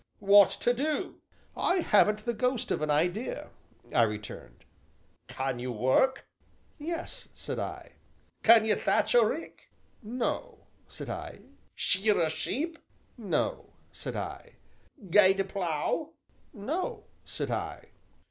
"What to do?" "I haven't the ghost of an idea," I returned. "Can you work?" "Yes," said I. "Can ye thatch a rick?" "No," said I. "Shear a sheep?" "No," said I. "Guide a plough?" "No," said I.